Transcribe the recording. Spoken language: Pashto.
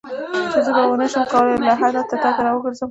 چې زه به ونه شم کولای له لحد نه تا ته راوګرځم.